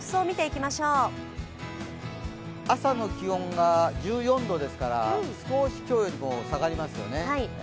朝の気温が１４度ですから少し今日よりも下がりますよね。